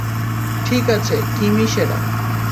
ঠিক আছে, কিমই সেরা।